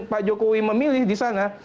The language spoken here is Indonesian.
pak jokowi memilih disana